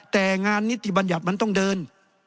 แต่งานนิติบัญญัติมันต้องเดิน